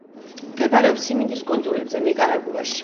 მდებარეობს სიმინდის კუნძულებზე, ნიკარაგუაში.